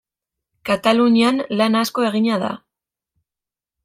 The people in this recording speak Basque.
Katalunian lan asko egina da.